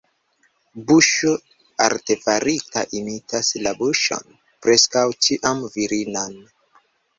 Buŝo artefarita imitas la buŝon, preskaŭ ĉiam virinan.